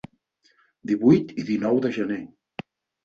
Divuit i dinou de gener.